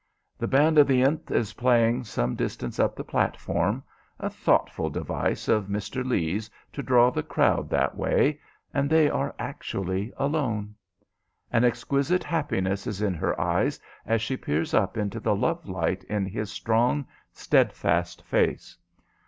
The band of the th is playing some distance up the platform, a thoughtful device of Mr. Lee's to draw the crowd that way, and they are actually alone. An exquisite happiness is in her eyes as she peers up into the love light in his strong, steadfast face.